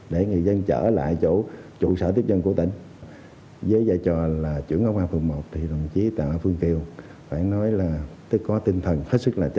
để người dân kéo đến đó để chi để mà động viên rồi giải thích